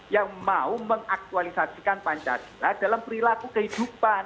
yang mau mengaktualisasikan pancasila dalam perilaku kehidupan